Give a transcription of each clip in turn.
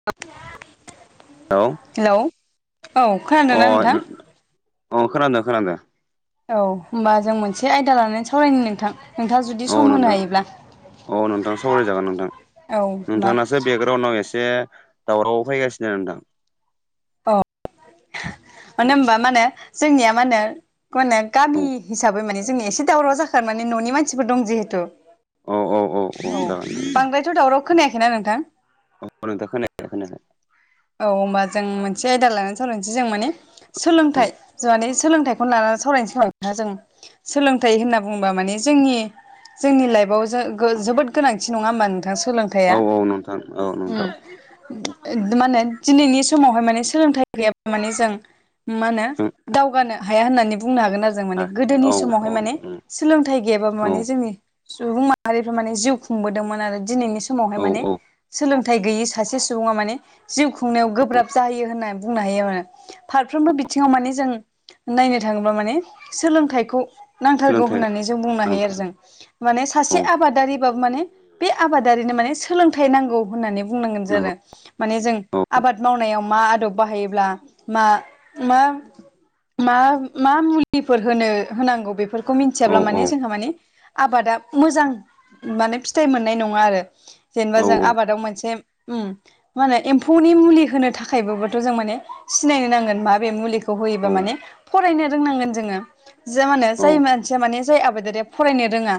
[inaudible] औ। हेल' औ। अ खोनादोंना नोंथां उम अ खोनादों खोनादों। औ होमबा जों मोनसे आयदा लानानै सावरायनो नोंथां। नोंथाङा जुदि औ सम होनो नोंथां हायोब्ला औ नोंथां सावरायजागोन औ मा गावनाव एसे दावराव फैगासिनो नोंथां। औ मानो होमबा मा होनो जोंनिया मा होनोे मा होनो औ गामि हिसाबै माने जों एसे दावराव जाखानानै माने न'नि मानसिफोर दं जिहेथु औ बांद्राय थ' दाव खोनायाखै ना नोंथां? अ नोंथां खोनायाखै खोनायाखै। औ होनोमबा जों मोनसे आयदा लानानै सावरायनोसै जों माने औ सोलोंथाइ जों माने सोलोंथाइखौनो लानानै सावरायनोसै होनबा नोंथां जों। सोलोंथाइ होनना बुङोबा माने जोंनि जोंनि लाइफआव जो गो जोबोद गोनांथि नङा होमबा नोंथां सोलों औ थाया औ नोंथां औ उम नोंथां माहोनो दिनैनि समावहाय माने सोलोंथाइ गैयाबा माने जों मा होनो जों दावगानो हाया होननानै बुंनो हागोन आरो जों माने गोदोनि औ औ समावहाय माने सोलोंथाइ गैयाबाबो औ माने जोंनि सुबुं माहारिफ्रा माने जिउ खुंबोदोंमोन आरो दिनैनि समावहाय औ माने औ सोलोंथाइ गैयि सासे सुबुङा माने जिउ खुंनायाव गोब्राब जायो होननानै बुंनो हायो मने फारफ्रोमबो बिथिङाव माने जों नायनो थाङोब्ला माने सोलोंथाइखौ नांथारगौ सोलोंथाइ होननानै जों बुंनो हायो आरो नांथारगौ जों माने औ सासे आबादारिबाबो माने बे आबादारिनो माने सोलोंथाइ नांगौ होननानै बुंनांगोन नंगौ आरो माने जों औ आबाद मावनायाव मा आदब बाहायोब्ला मा मा मा मा मुलिफोर होनो होनांगौ बेफोर खौ औ मिथियाब्ला औ माने जोंहा मानि आबादा मोजां माने फिथाइ मोननाय नङा आरो जेनेबा औ जों आबादाव मोनसे उम मा होनो एम्फौनि मुलि होनो थाखाय बाबोथ' जों माने सिनायनो नांगोन माबे मुलिखौ होयोबा औ माने फरायनो रोंनांगोन जोङो। जा माने औ जाय मानसिया मानेजाय आबादारिया फरायनो रोङा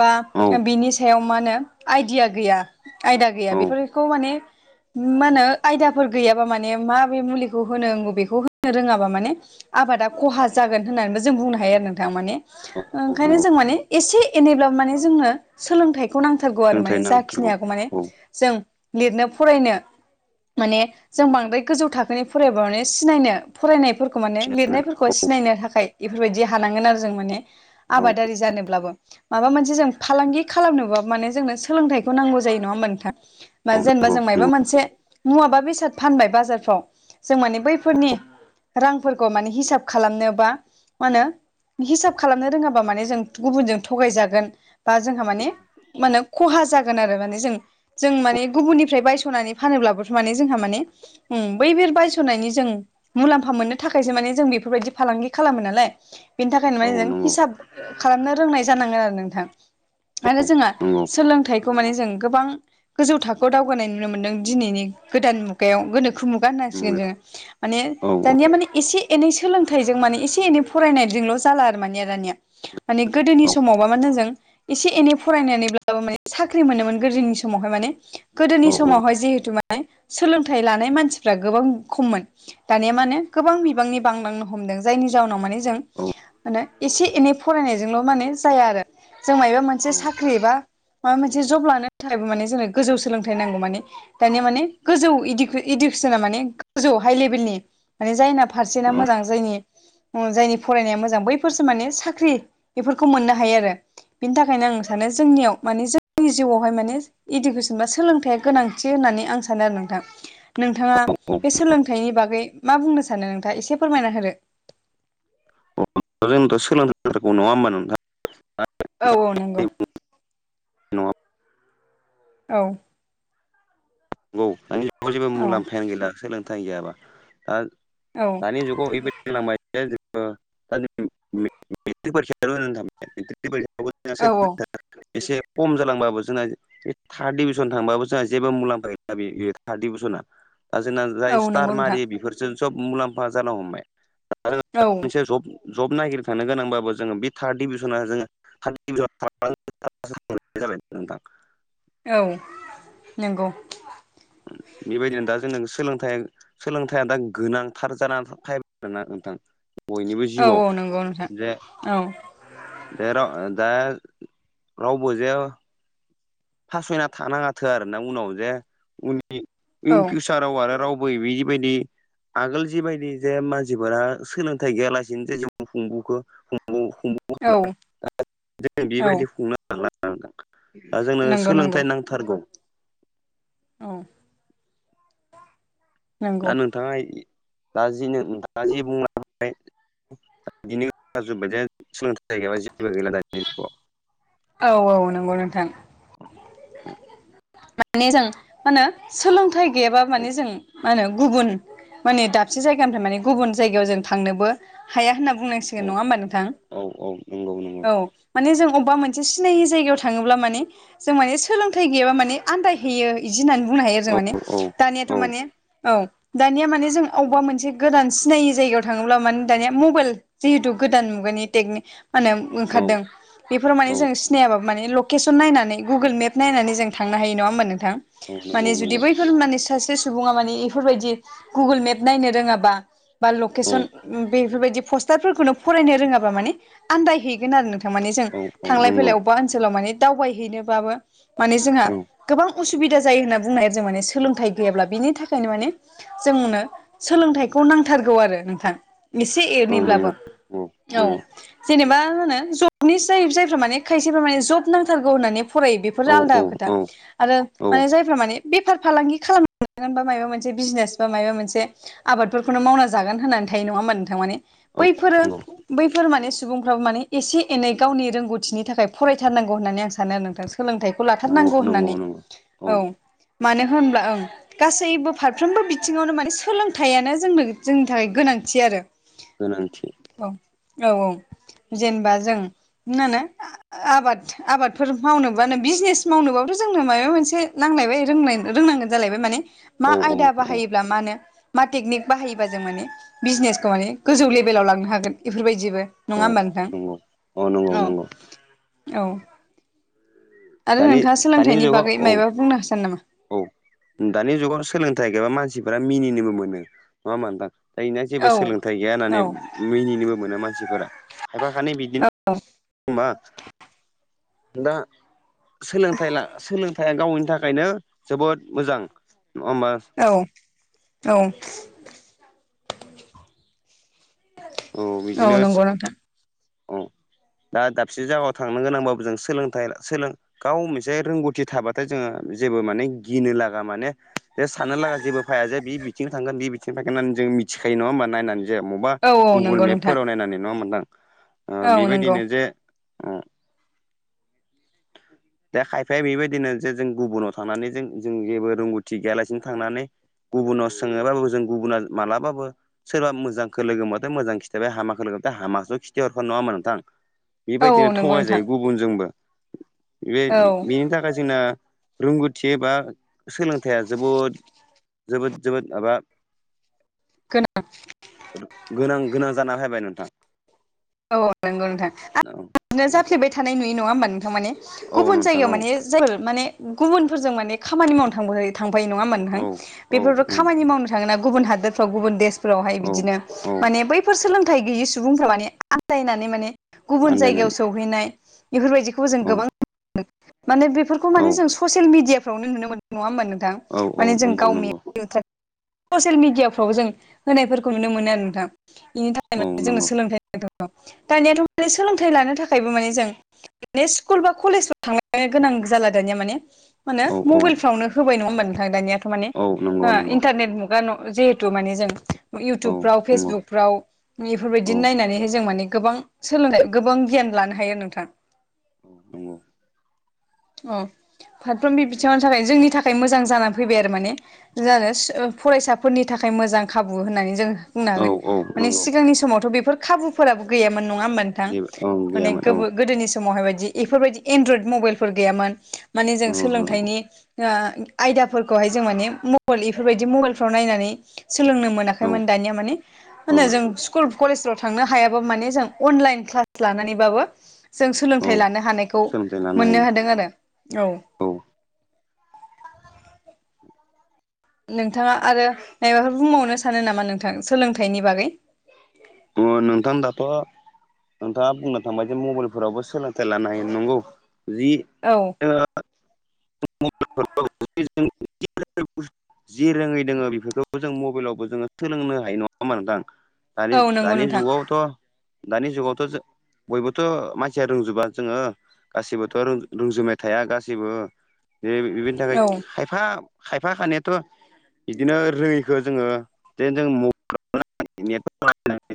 बा औ बिनि सायाव मा होनो आइदिया गैया आयदा गैया औ बेफोरखौ माने मा होनो आयदाफोर गैयाबा माने माबे मुलिखौ होनो नांगौ बेखौ होनो रोङाबा माने आबादा खहा जागोन होननानैबो जों बुंनो हायो आरो नोंथां माने ओंखायनो नंगौ जों माने एसे एनैब्ला माने जोंनो सोलोंथाइ खौ नांथारगौ आरो सोलोंथाइ माने नांथारगौ जाखिनिखौ माने औ जों लिरनो फरायनो माने जों बांद्राय गोजौ थाखोनि फरायबा माने सिनायनो फरायनायफोरखौ खौ माने नंगौ लिरनायफोरखौ सिनायनो थाखाय बेफोरबायदि हानांगोन आरो जों माने आबादारि जानोब्लाबो माबा मोनसे जों फालांगि खालामनोबा माने जोंनो सोलोंथाइखौ नांगौ जायो नङा होमा नोंथां। बा जेनेबा नंगौ जों औ मायबा मोन माबा बेसाद फानबाय बाजारफ्राव जों माने बैफोरनि रांफोरखौ माने हिसाब खालामनो बा मा होनो हिसाब खालामनो रोङाबा माने जों गुबुनजों थगायजागोन। बा जोंहा माने म होने खहा जागोन आरो माने जों जों माने गुबुननिफ्राय बायस'नानै फानोब्लाबोथ' माने जोंहा माने उम बै बिर बायस'नायनि जों मुलाम्फा मोननो थाखायसो माने जों बेफोरबायदि फालांगि खालामो नालाय बेनि थाखायनो माने नंगौ हिसाब खालामनो रोंनाय जानांगोन आरो नोंथां। आरो जोंहा नंगौ सोलोंथाइखौ माने जों गोबां गोजौ थाखोआव दावगानाय नुनो मोन्दों। दिनैनि गोदान मुगायाव गोनोखो मुगा नंगौ होननांसिगोन जोङो माने औ औ औ दानिया माने एसे एनै सोलोंथाइजों माने एसे एनै फरायनायजोंल' जाला आरो माने दानिया माने गोदोनि समावबा मा होनो जों एसे एनै फरायनानैब्लाबो माने साख्रि मोनोमोन गोदोनि समावहाय माने गोदोनि औ समावहाय जिहेथ थ माने सोलोंथाइ लानाय मानसिफ्रा गोबां खममोन दानिया मा होनो गोबां बिबांनि बांलांनो हमदों जायनि जाउनाव माने जों औ औ माने एसे एनै फरायनायजोंल' माने जाया आरो जों मायबा मोनसे साख्रि एबा माबा मोनसे जब लानो थाखायबो माने जोंनो गोजौ सोलोंथाइ नांगौ माने दानिया माने गोजौ इडु-इडुकेसना माने गोजौ हाइ लेभेलनि माने जायना फारसे नना औ मोजां जायनि जायनि फरायनाया मोजां बैफोरसो माने साख्रि बेफोरखौ मोननो हायो आरो बिनि थाखायनो आं सानो जोंनियाव माने जोंनि जिउआवहाय माने इडुकेसन बा सोलोंथाइया गोनां होननानै आं सानो नोंथां नोंथाङा बे सोलों थाइनि बागै मा बुंनो सानो नोंथाङा एसे फोरमायना होदों। औ जोंथ' सोलोंथ नङा होनोमबा नोंथां। औ औ नंगौ। नङा नंगौ औ नंगौ दानि मुगायाव जेबो औ मुलाम्फायानो गैला सोलोंथाइ गैयाबा दा औ दानि जुगाव [unintelligible] मायथाइया जोबबा औ [unintelligible] [unintelligible] एसे खम जालांबाबो जोंहा बे थार्ड डिभिसन थांबाबो जोंहा जेबो मुलाम्फा दा बेयो थार दि भिसना दा जोंना औ जाय स्टार नंगौ नोंथां मारि बेफोर जों सब मुलाम्फा जानो हमबाय औ मोनसे जब जब नायगिरनो थांनो गोनांबाबो जोङो बे थार्ड डिभिजना जोङो [unintelligible] जाबाय नोंथां। औ नंगौ। उम बेबायदिनो दा जों सोलोंथाइ सोलोंथाइया दा गोनांथार जानानै फायबायना नोंथां। बयनिबो औ औ जिउआव नंगौ नोंथां जे औ जेराव दा रावबो जे फासयना थानाङाथो आरो ना उनाव जे उननि औ इन फिउसार साराव आरो रावबो इबिबायदि आगोल जिबायदि जे मानसिफोरा सोलोंथाइ गैयालासिनो जे जिउ खुंबोखो औ [unintelligible] [unintelligible] जों औ बेबायदि खुंनो [unintelligible] नंगौ नंगौ नांथारगौ। औ नंगौ दा नोंथाङा इ दाजिनो दा जि बुंलांबाय बिनि [unintelligible] सोलोंथाइ गैयाबा जेबो गैला दानि जुगआव। औ औ नंगौ नोंथां। माने जों मा होनो सोलोंथाइ गैयाबा माने औ जों मा होनो गुबुन माने दाबसे जायगानिफ्राय माने गुबुन जायगायाव जों थांनोबो हाया होनना बुंनां औ मिथिगोन नङा होमबा नोंथां औ औ नंगौ नंगौ औ। माने जों अबबा मोनसे सिनायि जायगायाव थाङोब्ला माने जों माने सोलोंथाइ गैयाबा माने आन्दायहैयो। इदि होननानै बुंनो हायो आरो जों औ माने औ दानियाथ' औ माने औ दानिया माने जों अबबा मोनसे गोदान सिनायि जायगायाव थाङोब्ला माने दानिया मबेल जिहेतु गोदान मुगानि टेकनिक मा होनो औ ओंखारदों बेफोराव औ माने जों सिनायाबाबो माने लकेसन नायनानै गुगोल मेप नायनानै जों थांनो हायो नङा होमबा नोंथां। नंगौ माने जुदि नंगौ बैफोर मानिस सासे सुबुङा मानि बेफोरबायदि गुगोल मेप नायनो रोङाबा बा औ लकेसन बेफोरबायदि पस्टारफोरखौनो फरायनो रोङाबा माने आनदायहैगोन आरो नों माने जों औ थांलाय नंगौ फैलाय अबबा ओनसोलाव माने दावबायहैनोबाबो माने जोंहा औ गोबां उसुबिदा जायो होनना बुंनो हायो आरो जों माने सोलोंथाइ गैयाब्ला बिनि थाखाय नो माने जोंनो सोलोंथाइखौ नांथारगौ आरो नोंथां। एसे औ नंगौ औ एनैब्लाबो नंगौ औ जेनेबा होनो जब निसाय जायफ्रा माने खायसेफ्रा माने जब नांथारगौ होननानै फरायो बेफोरो आलादा औ औ खोथा। आरो माने जाय माने बेफार फालांगि खालाम [unintelligible] बा माबा मोनसे बिजनेस बा मायबा मोनसे आबादफोरखौनो मावना जागोन होननानै थायो नङा होमबा नोंथां माने बैफोरो बैफोर माने सुबुंफ्राबो माने एसे एनै गावनि रोंगौथिनि थाखाय फरायथारनांगौ होननानै आं सानो नोंथां सोलोंथाइ खौ लाथारनांगौ नंगौ नंगौ होननानै नंगौ औ मानो होनब्ला ओं गासैबो फारफ्रोमबो बिथिङावनो माने सोलोंथाइयानो जोंनो जोंनि थाखाय गोनांथि आरो। गोनांथि औ औ औ जेनेबा जों मा होनो आ-आबाद आबादफोर मावनोबानो बिजनेस मावनोबाबोथ जोंनो माबा मोनसे नांलायबाय रों रोंनांगोन जालायबाय माने मा औ औ आयदा औ बाहायोब्ला मानो मा टेकनिक बाहायोबा जों माने बिजनेसखौ माने गोजौ लेभेलाव लांनो हागोन बेफोरबायदिबो औ नङा होमबा नोंथां नंगौ औ नंगौ ओं नंगौ औ आरो नोंथाङा सोलों नि जगाव औ औ दानि जुगाव सोलोंथाइ गैयाबा मानसिफोरा मिनिनोबो मोनो नङा नोंथां। दायोया जेबो औ सोलोंथाइ गैया होननानै औ मिनिनोबो मोना मानसिफोरा खायफा खानि बिदिनो औ मा दा सोलोंथाइ दा सो था गावनो थाखायनो जोबोद मोजां नङा होमबा औ औ औ बिदिनो नंगौ नोंथां औ दा दाबसे जायगायाव थांनो गोनांबाबो जों सोलोंथाइ सोलों गाव मोनसे रोंगौथि थाबाथाय जोङो जेबो माने गिनो लागा माने बेे सान लागा जेबो फैाया जे बे बिथिं थांगोन बे बिथिं फैोननानै जों मिथिायो नङा होनोमबा नायनानै जाया अबा औ औ गुगोल नंगौ नोंथां मेपफोराव नायनानै नङा मोनदां ओ औ नंगौ बेबायदिनो जे ओ [inaudible] दा खायफाया बेबायदिनो जे जों गुबुनाव थांनानै जों जों जेबो रोंगौथि गैयालासिनो थांनानै गुबुनाव सोंनायबाबो जों गुबुना मालाबाबो सोरबा मोजांखौ लोगो मोन मोजां खिथाबाय हामाखौ लोगोथाय हामाखौ खिथि हरानो नङामोन नोंथां औ औ बेबायदिनो नंगौ नोंथां थगायजायो गुबुनजोंबो बे बेनि औ थाखाय जोंना रोंगौथि एबा सोलोंथाइया जोबोद जोबोद जोबोद माबा खोना गोनां गोनां जाना फैबाय नोंथां औ नंगौ नोंथां औ [unintelligible] जाफ्लेबाय थानाय नुययो नङा होमबा नोंथां माने औ गुबुन नोंथां जायगायाव औ माने जाय माने गुबुनफोरजों माने खामानि मावनो थां थांफायो नङा औ औ बेफोरबो खामानि औ मावनो थाङोना गुबुन हादोरफ्राव गुबुन देश ब्रहाय औ बिदिनो औ माने बैफोर सोलोंथाइ गैयि सुबुंफ्रा माने आन्दायनानै माने गुबुन जायगायाव आन्दायनानै सौहैनाय बेफोरबायदिखौबो जों औ गोबां माने बेफोरखौ औ माने जों ससियेल मिडियाफ्रावनो नुनो मोनदों नङा होमबा नोंथां औ औ माने जों नंगौ गावनि नंगौ [unintelligible] ससियेल मिडियाफ्राव जों होनायफोरखौ नुनो मोनो आरो नोंथां बेनि औ थाखाय जोंनो नंगौ सोलोंथाइ दङ दानियाथ' माने सोलोंथाइ लानो थाखायबो माने जों माने स्कुल बा कलेजाव थांलनो गोनां जाला दानिया माने मा होने औ औ मबाइलफ्रावनो होबाय नङा होमबा नोंथां दानियाथ' मानिे औ नंगौ नंगौ इन्टारनेट मुगा तु माने जों इउ औ टुबफ्राव नंगौ फेजबुगफ्राव औ इफोरबायदि नायनानै जों माने गोबां सोलोंनाय गोबां गियान लानो हायो आरो नोंथाङां उम। उम फारफ्रोमबो बिथिङावनि थाखाय जोंनि थाखाय मोजां जानानै फैबाय आरो माने जानो फरायसाफोरनि थाखाय मोजां खाबु होननानै जोङो बुंनो औ हागोन औ माने नंगौ सिगांनि समावथ' बेफोर खाबुफोराबो गैयामोन नङा होनोममोन थां जेबो औ माने गैयामोन औ गोदोनि समावहायबायदि बेफोरबायदि एनड्रयद मबाइलफोर गैयामोन माने जों औ सोलोंथाइनि ओ आयदाफोरखौहाय जों माने मबाइल इफोरबायदि मबाइलफ्राव नायनानै सोलोंनो औ मोनाखैमोन दानिया माने औ होनो जों स्कुल कलेजफ्राव थांनो हायाबा माने जों अनलाइन क्लास लानानैबाबो जों औ सोलोंथाइ लानो हानायखौ सोलोंथाइ लानो मोननो हायो हादों आरो औ नोंथाङा आरो मनायबाफोर बुंबावनो सानो नामा नोंथां सोलोंथाइनि बागै अ नोंथां दााथ' नोंथाङा बुंनो थांबाय जे मबाइलफोरावबो सोलोंथाइ लानो हायो नंगौ जि औ [unintelligible] [inaudible] [unintelligible] [inaudible] जि रोङै दोङो बेफोरखौबो जों मबाइलावबो जोङो सोलोंनो हायो नङा होमा नोंथां? औ नंगौ दानि-दानि नोंथां जुगावथ' दानि जुगावथ' बयबोथ' मानसिया रोंजोबा जोङो गासिबोथ' रों रोंजोबबाय थाया गासिबो जे बिनि थाखायाय औ खायफा खायफा खानायाथ' बिदिनो रोङिखो जोङो ज जोंङो [unintelligible] [unintelligible]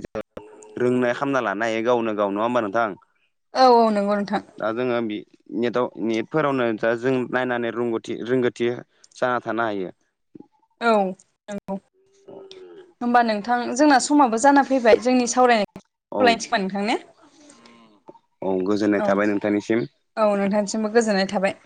रोंनाय खालामामना लानो हायो गावनो गाव नङा होमबा नोंथां? औ-औ नंगौ नोंथां। दा जोङो बि नेटआव नेटफोरावनो दा जों नायनानै रोंगौथि रोंगोथि जाना थानो हायो। औ नोंगौ होनोमबा नोंथां जोंना समाबो जाना फैबाय जोंनि औ सावरायनाय [unintelligible] नोंथां ने औ गोजोननाय औ थाबाय नोंथांनिसिम। औ नोंथांसिमबो गोजोननाय थाबाय।